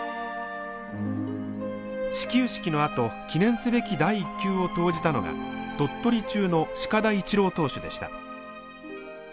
始球式のあと記念すべき第１球を投じたのが鳥取中の鹿田一郎投手でした。